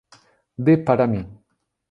Dê para mim.